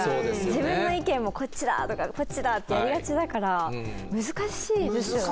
自分の意見も「こっちだこっちだ」ってやりがちだから難しいですよね。